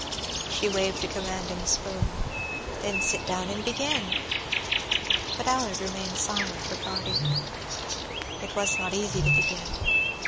She waved a commanding spoon. "Then sit down and begin." But Allard remained silent, regarding her. It was not easy to begin.